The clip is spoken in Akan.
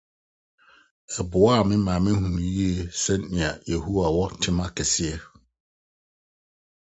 Ɛboaa me yiye ma mihuu sɛnea Yehowa wɔ tema kɛse.